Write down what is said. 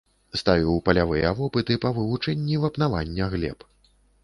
Ставіў палявыя вопыты па вывучэнні вапнавання глеб.